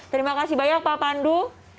terima kasih banyak pak pandu